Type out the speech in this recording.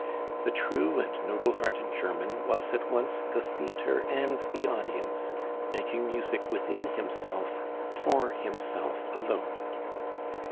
The true and noble hearted German was at once the theatre and the audience, making music within himself for himself alone.